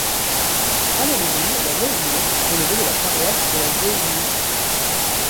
À l'origine, La Neuve-Lyre relevait de la paroisse de la Vieille-Lyre.